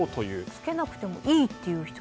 つけなくてもいいという人？